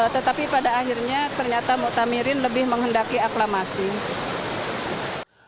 tetapi pada akhirnya ternyata muktamirin lebih menghendaki aklamasi